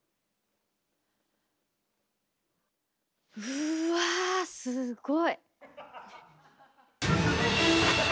うわすごい。